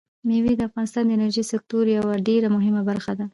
مېوې د افغانستان د انرژۍ سکتور یوه ډېره مهمه برخه ده.